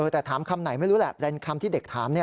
แต่ถามคำไหนไม่รู้แหละเป็นคำที่เด็กถาม